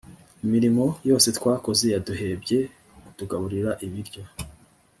imirimo yose twakoze yaduhebye kutugaburira ibiryo